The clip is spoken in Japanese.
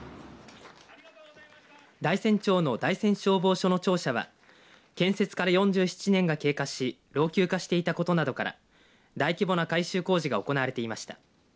大山町の大山消防署の庁舎は建設から４７年が経過し老朽化していたことなどから大規模な改修工事が行われていました。